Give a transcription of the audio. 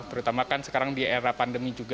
terutama kan sekarang di era pandemi juga